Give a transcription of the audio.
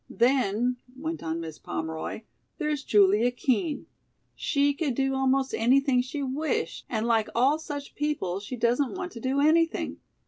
"Then," went on Miss Pomeroy, "there's Julia Kean. She could do almost anything she wished, and like all such people she doesn't want to do anything.